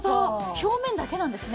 表面だけなんですね。